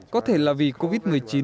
có thể là vì covid một mươi chín